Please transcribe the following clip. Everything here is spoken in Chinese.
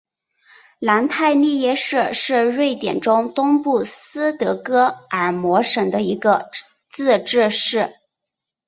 南泰利耶市是瑞典中东部斯德哥尔摩省的一个自治市。